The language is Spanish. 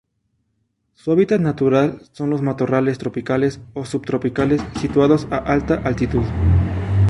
Su hábitat natural son los matorrales tropicales o subtropicales situados a alta altitud.